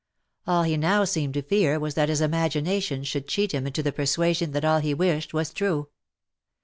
All he now seemed to fear was that his imagination should cheat him into the persuasion that all he wished was true.